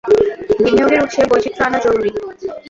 বিনিয়োগের উৎসে বৈচিত্র আনা জরুরি।